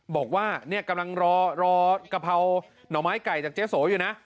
บอกว่าเนี่ยกำลังรอกะเพราหน่อไม้ไก่จากเจ๊โสอยู่นะ